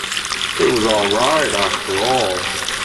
It was all right, after all.